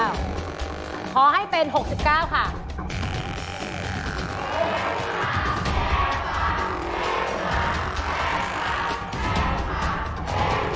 เจ๊คอดเจ๊คอดเจ๊คอดเจ๊คอดเจ๊คอด